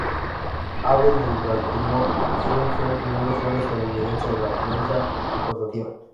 Abell del "Baltimore Sun" fue el primer usuario estadounidense de la prensa rotativa.